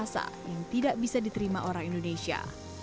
aam memiliki cita rasa yang tidak bisa diterima orang indonesia